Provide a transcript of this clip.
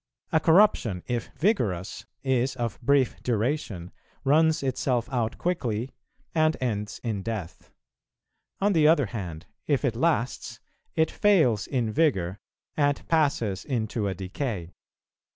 A corruption, if vigorous, is of brief duration, runs itself out quickly, and ends in death; on the other hand, if it lasts, it fails in vigour and passes into a decay.